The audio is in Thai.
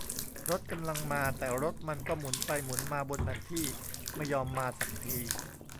รถกำลังมา แต่รถมันก็หมุนไปหมุนมาบนแผนที่ ไม่ยอมมาสักที